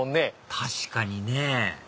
確かにね